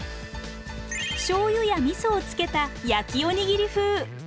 しょうゆやみそをつけた焼きおにぎり風。